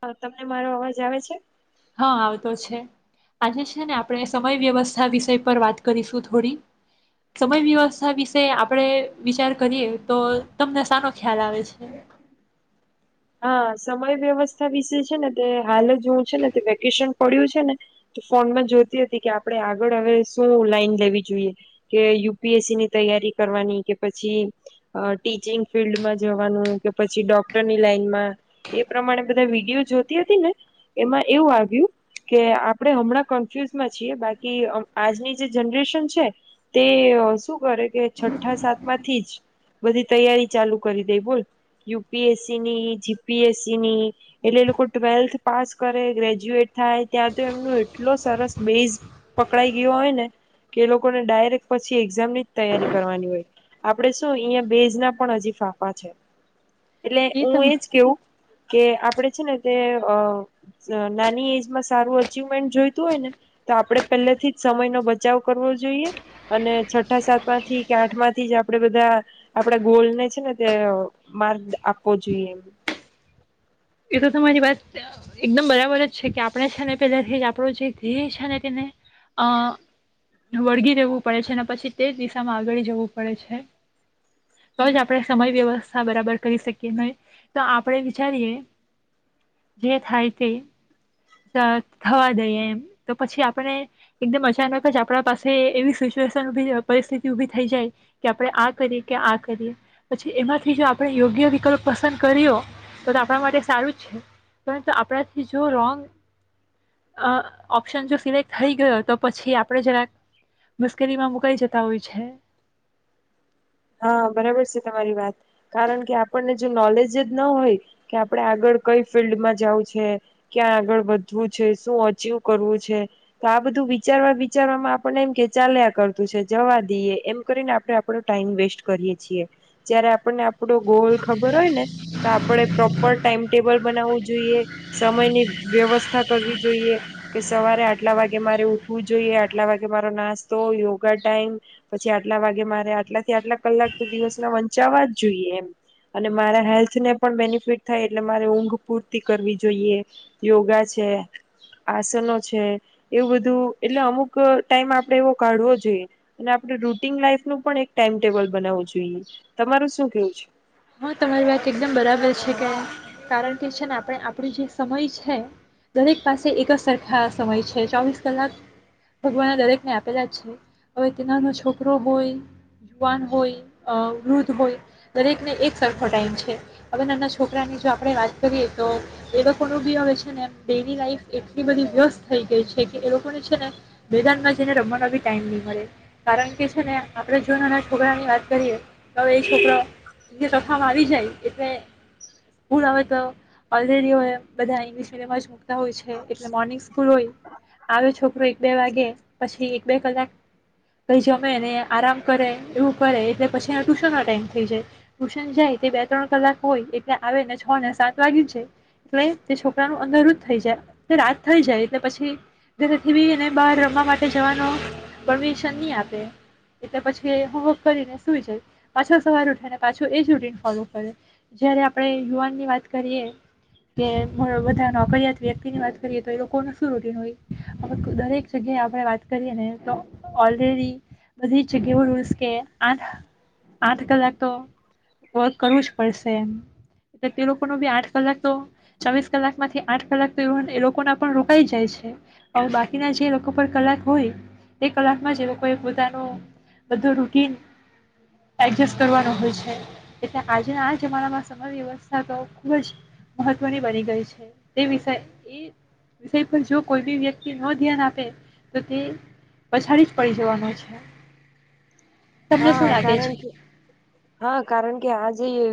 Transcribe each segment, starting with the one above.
હા તમને મારો અવાજ આવે છે. હા આવતો છે આજે છે ને આપણે સમય વ્યવસ્થા વિષય પર વાત કરીશું થોડી સમય વ્યવસ્થા વિશે આપણેે વિચાર કરીએ તો તમને સાનો ખ્યાલ આવે છે. હા સમય વ્યવસ્થા વિશે છે ને તે હાલ જોું છે ને વેકેશન પડ્યું છે ને તો ફોનમાં જોતી હતી કે આપણે આગળ હવે શું લાઈન લેવી જોઈએ કે યુપીએસસીની તૈયારી કરવાની કે પછી ટીચિંગ ફિલ્ડમાં જવાનું કે પછી ડોક્ટરની.. લનમાં એ પ્રમાણે બધા વિડીયો જોતી હતી ને એમાં એવું આવ્યું કે આપણે હમણાં કન્ફ્યુઝમાં છીએ બાકી આજની જે જનરેશન છે તે શું કરે કે છઠ્ઠા સાતમાંથી જ બધી તૈયારી ચાલુ કરી દે બોલ યુપીએસ જીપીએસસી ની એટલે એ લોકો ટ્વેલ્થ પાસ કરે ગ્રેજ્યુએટ થાય ત્યાં તો એમનું એટલો સરસ બેસ પકડાઈ ગયો હોય ને કે એ લોકોને ડાયરેક્ટ પછી એક્ઝામની તૈયારી કરવાની હોય આપડે શું અહીંયા બેસ ના પણ હજી ફાફા છે એ તો હું એજ કેવું કે આપડે છે ને તે અ નાની એજમાં સારું અચિવમેન્ટ જોઈતું હોય ને તો આપડે પહેલેથી જ સમય નો બચાવ કરવો જોઈએ અને છઠ્ઠા સાતવા થી કે આઠમાંથી જ આપણેે બધા આપડા ગોલને છે ને તે માર્ગ આપ પોચીએ. એ તો તમારી વાત એકદમ બરાબર જ છે કે આપણે છે ને પેલાથી આપણો જે ધેય છેને તેને અ વળગી જવું પડે છે અને પછી તે જ દિશામાં આગળ જવું પડે છે. તો જ આપડે સમય દેવા. હા બરાબર કરી શકીએ ને તો આપડે વિચારીએ જે થાય તે ત થવા દઈએ. તો પછી આપણે એકદમ અચાનક જ આપણા પાસે એવી સિચ્યુએશન પરિસ્થિતિ ઉભી થઈ જાય કે આપણે આ કરીએ કે આ કરીએ પછી એમાંથી જો આપણે યોગ્ય વિકલ્પ પસંદ કરીયો તો આપણા માટે સારું છે, પરંતુ આપણાથી જો રોંગ અ ઓપ્શન જો સિલેક્ટ થઈ ગયો તો પછી આપણે જરાક મુશ્કેલીમાં મુકાઈ જતા હોય છે. હા બરાબર છે તમારી વાત કારણ કે આપણને જો નોલેજ જ ના હોય કે આપડે આગળ કઈ ફિલ્ડમાં જવું છે, ક્યાં આગળ વધવું છે, શું અચીવ કરવું છે, તો આ બધું વિચારવા વિચારવામાં આપણને એમ કે ચાલ્યા કરતું છે જવા દઈએ એમ કરીને આપણે આપણો ટાઈમ વેસ્ટ સ્ટ કરીએ છીએ. જ્યારે આપણને આપડો ગોલ હોયને તો આપણે પ્રોપર ટાઈમટેબલ બનાવુ જોઈએ, સમયની વ્યવસ્થા કરવી જોઈએ કે સવારે આટલા વાગે મારે ઉઠવું જોઈએ, આટલા વાગે મારો નાસ્તો, યોગા ટાઈમ, પછી આટલા વાગે મારે આટલાથી આટલા કલાક તો દિવસના વંચાવા જ જોઈએ એમ અને મારા હેલ્થને પણ બેનિફિટ થાય એટલે મારે ઊંઘ પૂરતી કરવી જોઈએ. યોગા છે, આસનો છે, એવું બધું એટલે અમુક ટાઈમ આપડે એવો કાઢવો જોઈએ અને આપડ રૂટીન લાઈફ નું પણ એક ટા ટેબલ બનાવુ જોઈએ. તમારું શું કેવું છે? હા તમારી વાત એકદમ બરાબર છે કે કારણ કે છે ને આપણે આપડો જે સમય છે દરેક પાસે એક જ સર ખા સમય છે, ચોવીસ કલાક ભગવાન એ દરેકને આપેલા છે, હવે તે નાનો છોકરો હોય. યુવાન હોય, વૃદ્ધ હોય, દરેકને એક સરખો ટાઈમ છે, હવે નાના છોકરાની જો આપણે વાત કરીએ તો એ લોકોનું બી હવે છે, ને ડેલી લાઈફ એટલી બધી વ્યસ્ત થઈ ગઈ છે, કે એ લોકોને છે, ને મેદાનમાં જઈને રમવાનો બી ટાઈમ નહી મળે કારણ કે છે, ને આપણે જો નાના છોકરાની વાત કરીએ તો હવે એ છોકરાઓ [unintelligible] આવી જાય એટલે સ્કૂલ આવે તો ઓલરેડી હવે બધા ઇંગ્લિશ મીડિયમ જ મૂકતા હોય છે, એટલે મોર્નિંગ સ્કૂલ હોય આવે છોકરો એક બે વાગે પછી એક બે કલાક કઈ જમે ને આરામ કરે એવું કરે એટલે પછી એ ટુશનનો ટાઈમ થઈ જાય ટ્યુશન જાય તે બે ત્રણ કલાક હોય એટલે આવેને છ ને સાત વાગી જાય, એટલે તે છોકરાનું અંધારું થઈ જાય, રાત થઈ જાય એટલે પછીથી ઘરેથી બી ને બહાર રમવા માટે જવાનો પરમિશન નહી આપે. એટલે પછી હોમવર્ક કરીને સુ જાય પાછો સવાર ઉઠે ને પાછો એજ રૂટીન ફોલો કરે જયારે આપણે યુવાનની વાત કરીએ કે બધા નોકરીયાત વ્યક્તિની વાત કરીએ તો એ લોકોનું શું રૂટીન હોય, અમુક દરેક જગ્યાએ આપણે વાત કરીએને તો ઓલરેડી બધી જ જગ્યા ઓ રૂલ્સ કે આઠ આઠ કલાક તો વર્ક કરવું જ પડશે, તો તે લોકોનો બી આઠ કલાક તો ચોવીસ કલાકમાંથી આઠ કલાક તો એ એ લોકોના પણ રોકાઈ જાય છે, તો બાકીના જે લોકો પર કલાક હોય એ કલાકમાં જ એ લોકોએ બધા નો બધું રૂટીન એડજસ્ટ કરવાનો હોય છે, એટલે આજના આ જમાનામાં સમય વ્યવસ્થા તો ખૂબ જ મહત્વની બની ગઈ છે, તે વિષય એ વિષય પર જો કોઈ બી વ્યક્તિ ન ધ્યાન આપે તો તે પછડી જ પડી જવાનું છે. તમને હા શું લાગે છે કારણ કે હા કારણ કે આજ. જે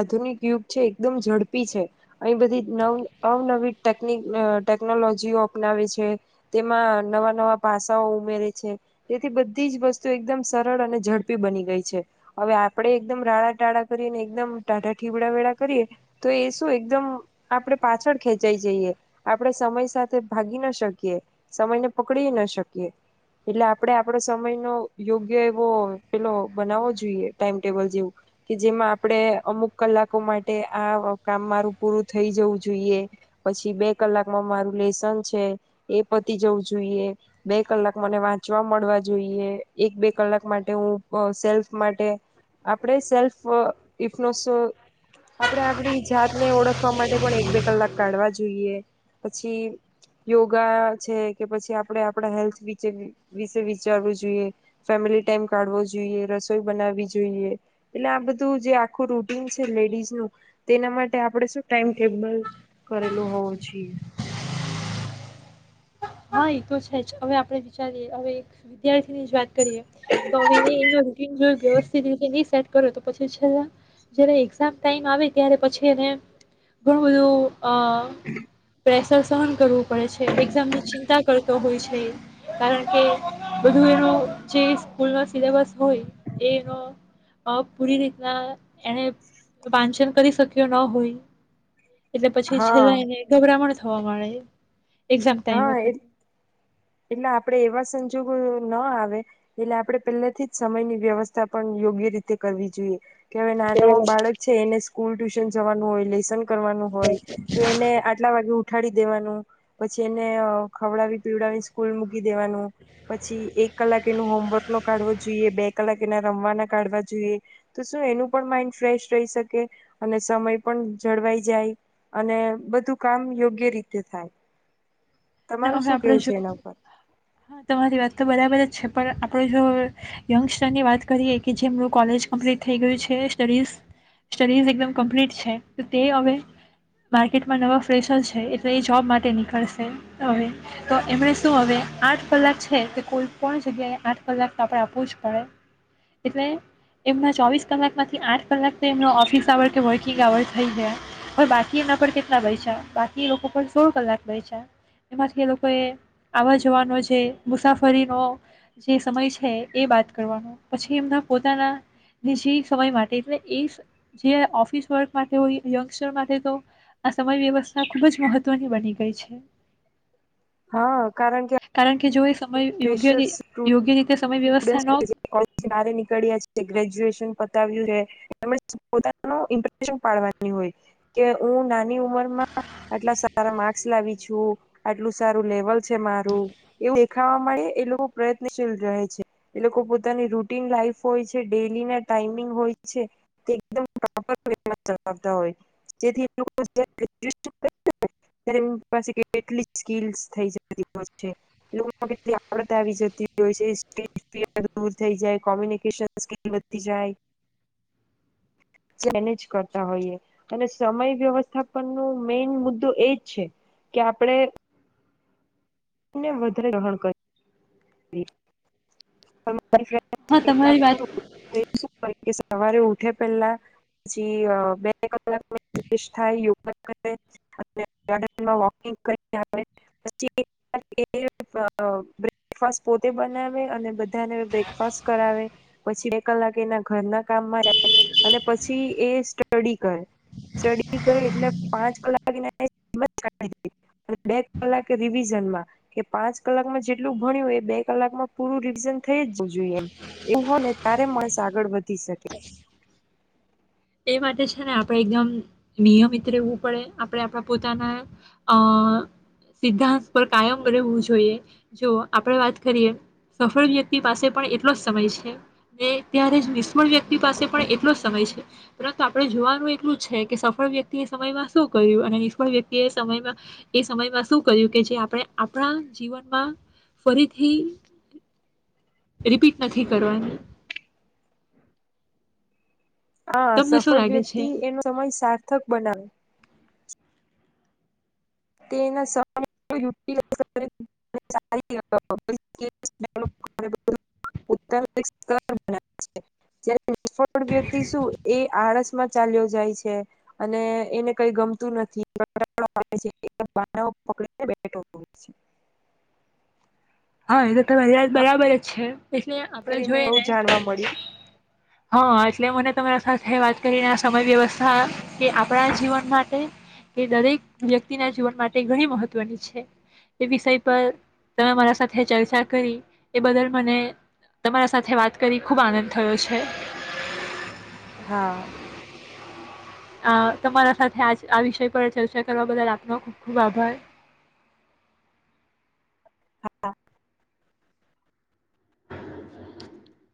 આધુનિક યુગ છે, એકદમ ઝડપી છે. અહી બધી નવ અવનવી ટેકની ટેકનોલોજીઓ અપનાવે છે, તેમાં નવા નવા પાસાઓ ઉમેરે છે, તેથી બધી જ વસ્તુ એકદમ સર સરળ અને ઝડપી બની ગઈ છે, હવે આપણેે એકદમ રાડા ટાળા કરીને એકદમ ટાટા ઠીવડા વેળા કરીએ તો એ શું એકદમ આપણે પાછળ ખેંચાઈ જઈએ આપણે સમય સાથે ભાગી ના શકીએ સમયને પકડી ના શકીએ એટલે આપણે આપણો સમય નો યોગ્ય કે વો પેલો બનાવવો જોઈએ ટાઈમ ટેબલ જેવું કે જેમાં આપણે અમુક કલાકો માટે આ કામ મારું પૂરું થઈ જવું જોઈએ પછી બે કલાકમાં મારું લેસન છે, એ પતી જવું જોઈએ બે કલાક મને વાંચવા મળવા જોઈએ એક બે કલાક માટે હું સેલ્ફ માટે આપણે સેલ્ફ આ [unintelligible] આપણે આપણી જાતને ઓળખવા માટે પણ એક બે કલાક કાઢવા જોઈએ પછી યોગા છે, કે પછી આપણેે આપણા હેલ્થ વિ વિશે વિચારવું જોઈએ. ફેમિલી ટાઈમ કાઢવો જોઈએ રસોઈ બનાવી જોઈએ એટલે આ બધું જે આખું રૂટીન છે, લેડીઝ નું તેના માટે આપણે શું ટાઈમ ટેબલ કરેલું હોવું જોઈએ. હા એ તો છે, જ હવે આપણે વિચારીએ હવે વિદ્યાર્થી ની જ વાત કરીએ તો હવે એ એનું રૂટિન જયુ વ્યવસ્થિત રીતે ની સેટ કરો તો પછી છેલ્લા જ્યારે એક્ઝામ ટાઈમ આવે ત્યારે પછી એને ઘણું એવું અ પ્રેસ. સ સહન કરવું પડે છે, એક્ઝામ ની ચી ચિંતા કરતો હોય છે, કારણ કે બધું એનો જે સ્કૂલ ન સિલેબસ હોય એનો પૂરી રીતના એને વાંચન કરી શક્યો ન હોય. એટલે પછી હા છેલ્લા એને ગભરામણ થવાય. એક્ઝામ ટાઈમ હા એટલે વખતે. એટલે આપણે એવા સંજોગો ના આવે એટલે આપણે પહેલાથી જ સમયની વ્યવસ્થા પણ યોગ્ય રીતે કરવી જોઈએ. કે નાનો બાળક છે, એને સ્કૂલ ટ્યુશન જવાનું હોય, લેસન કરવાનો હોય તો એને આટલા વાગે ઉઠાડી દેવાનું. પછી એને ખવડાવી પીવડાવીને સ્કૂલ મૂકી મૂકી દેવાનું પછી એક કલાક એનું હોમવર્ક નો કાઢવો જોઈએ, બે કલાક એના રમવાના કાઢવા જોઈએ, તો શું એનું પણ માઇન્ડ ફ્રેશ રહી શકે અને સમય પણ જળવાઈ જાય અને બધું કામ યોગ્ય રીતે થાય. અ તમારું હવે શું આપડે કેવું છે જો એના પર હા તમારી વાત તો બરાબર જ છે. પણ આપણે જો યંગસ્ટરની વાત કરીએ કે જેમનું કોલેજ કમ્પ્લીટ થઈ ગયું છે સ્ટડીઝ સ્ટડીઝ એકદમ કમ્પ્લીટ છે તે હવે માર્કેટમાં નવા ફ્રેશર છે એટલે એ જોબ માટે નીકળશે હવે તો એમને શું હવે આઠ કલાક છે તે કોઈ પણ જગ્યાએ આઠ કલાક તો આપડ આપવું જ પડે એટલે એમના ચોવીસ કલાકમાંથી આઠ કલાક એમનો ઓફિસ આવર કે વર્કિંગ આવર થઈ ગયા હવે બાકી એના પર કેટલા બે્યા બાકી લોકો પણ સોળ કલાક બયચા. એમાંથી એ લોકોએ આવવા જવાનો જે મુસાફરીનો જે સમય છે એ બાદ કરવાનો પછી એમના પોતાના નિજી સમય માટે એટલે એ જે ઓફિસ વર્ક માટે હોય યંગસ્ટર માટે તો આ સમય વ્યવસ્થા ખૂબ જ મહત્ત્વની બની ગઈ છે. હા કારણ કે કારણ કે જો એ સમય યોગ્ય પ્રેશર યોગ્ય રીતે સમય વ્યવસ્થા ન [inaudible] નીકળ્યા છે ગ્રેજ્યુએશન આઇવુ રે એમજ પોતાનો ઇન્ટ્રેસ્ટ [inaudible] પાડવાની હોઈ હું નાની ઉમરમાં આટલા સારા માર્સ લાવી છું આટલું સારું લેવલ છે મારું એવું ખાવા માટેે એ લોકો પ્રયત્નશીલ રહે છે. એ લોકો પોની રૂટીન લાઈફ હોય છે ડેલી ના ટાઈમિંગ હોય છે તે એક દમ પ્રોપર વે મા ચલાવતા હોય જેથી. [inaudible] [inaudible] થઈ જાય કોમ્યુનિકન સ્કીલ વધી જાય મેનેજ કરતા હોઈએ અને સમય વ્યવસ્થાપન ન મેન મુદ્દો એજ છે કે આપણે તેમને વધારે ગ્રહણ હા તમારી વાત કર [inaudible] સવારે ઉઠે પહેલા પછી બે કલાક [inaudible] ફર્સ્ટ પોતે બનાવે અને બધાને બ્રેકફાસ્ટ કરાવે પછી બે કલાક એના ઘરના કામમાં જાય અને પછી એ સ્ટડી કરે સ્ટડી કરે એટલે પાંચ કલાક એ બે કલાકે રિવિઝનમાં કે પાંચ કલાકમાં એટલું ભણ્યું એ બે કલાકમાં પૂરું રિવિઝન થઈ જવું જોઈએ એમ એવું હો ને ત્યારે માણસ આગળ વધી શકે. એ માટે છે ને આપણે એકદમ નિયમિત રહેવું પડે આપણે આપણા પોતાના અ સિદ્ધાંત પર કાયમ રહેવું જોઈએ. જો આપણે વાત કરીએ સફળ વ્યક્તિ પાસે પણ એટલો સમય છે ને ત્યારે જ નિષ્ફળ વ્યક્તિ પાસે પણ એટલો સમય છે. પરંતુ આપણે જોવાનું એટલું જ છે કે સફળ વ્યક્તિ એ સમયમાં શું કર્યું અને નિષ્ફળ વ્યક્તિ એ સમયમાં એ સમયમાં શું કર્યું કે જે આપણે આપણા જીવનમાં ફરીથી રિપીટ નથી કરવાની. હા તમને શું સફળ લાગે વ્યક્તિ છે એનો સમય સાર્થક બનાવે. તે એના સમયનું યુટિલાઇઝ [inaudible] નિષ્ફળ વ્યક્તિ શું એ આળસમાં ચાલ્યો જાય છે અને એને કઈ ગમતું નથી [inaudible] ને [inaudible] હા એ હ એઆટ બરાબર જ છે એટલે આપડે કરીને જોઈ બહુ ને જાણવા મળ્યું હા એટલે મને તમારા સાથે વાત કરીને આ સમય વ્યવસ્થા કે આપણા જીવન માટે કે દરેક વ્યક્તિના જીવન માટે ઘણી મહત્વની છે એ વિષય પર તમે મારા સાથે ચર્ચા કરી એ બદલ મને તમારા સાથે વાત કરી ખૂબ આનંદ થયો છે. હા. આ તમારા સાથે આજ આ વિષય પર ચર્ચા કરવા બદલ આપનો ખુબ ખુબ આભાર. [inaudible]